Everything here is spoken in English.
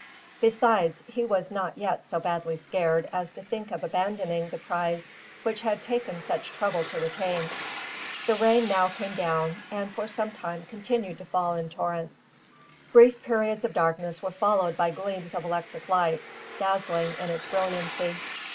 Besides, he was not yet so badly scared as to think of abandoning the prize he had taken such trouble to retain. The rain now came down, and for some time continued to fall in torrents. Brief periods of darkness were followed by gleams of electric light, dazzling in its brilliancy.